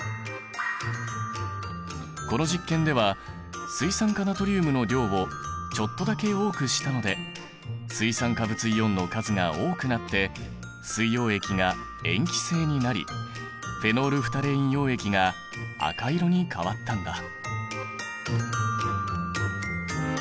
この実験では水酸化ナトリウムの量をちょっとだけ多くしたので水酸化物イオンの数が多くなって水溶液が塩基性になりフェノールフタレイン溶液が赤色に変わったんだ。